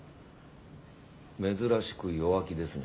珍しく弱気ですね。